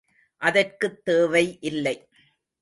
அதற்குத் தேவை இல்லை.